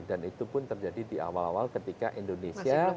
dan itu pun terjadi di awal awal ketika indonesia